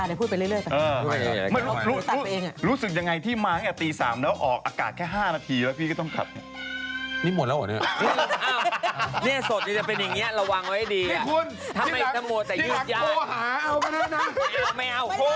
นี่แสดงที่จะเป็นอย่างเนี้ยระวังไว้ให้ดี